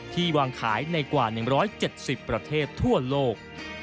วางขายในกว่า๑๗๐ประเทศทั่วโลก